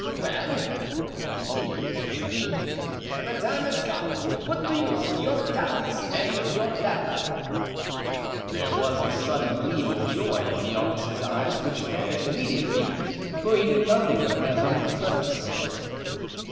"Well," continued Mazarin, "the time has come to put to use your talents and your valor." There was a sudden gleam of joy in the officer's eyes, which vanished immediately, for he knew nothing of Mazarin's purpose.